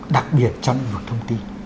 đặc biệt trong những vực thông tin